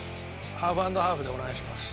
ハーフ＆ハーフでお願いします。